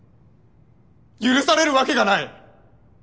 許されるわけがない。